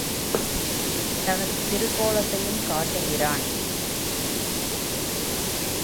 தனது திருக்கோலத்தையும் காட்டுகிறான்.